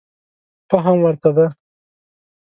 فهم ورته دی.